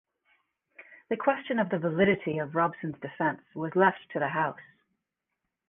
The question of the validity of Robson's defence was left to the House.